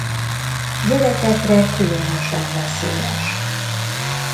Gyerekekre különösen veszélyes.